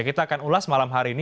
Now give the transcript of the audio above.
kita akan ulas malam hari ini